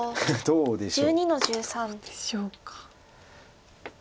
どうでしょうか。